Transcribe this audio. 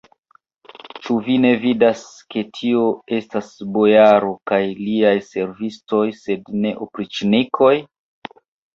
Ĉu vi ne vidas, ke tio estas bojaro kaj liaj servistoj, sed ne opriĉnikoj?